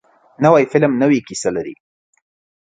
نوی فلم نوې کیسه لري